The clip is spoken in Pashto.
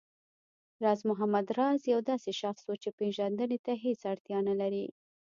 راز محمد راز يو داسې شخص و چې پېژندنې ته هېڅ اړتيا نه لري